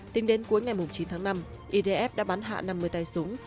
tính đến cuối ngày chín tháng năm idf đã bắn hạ năm mươi tay súng